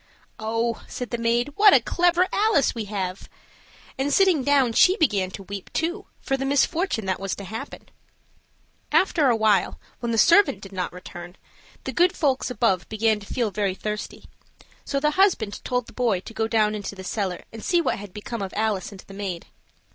"Oh," said the maid, "what a clever Alice we have!" And sitting down, she began to weep, too, for the misfortune that was to happen. After a while, when the servant did not return, the good folks above began to feel very thirsty; so the husband told the boy to go down into the cellar and see what had become of Alice and the maid.